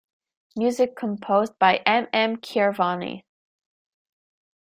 Music composed by M. M. Keeravani.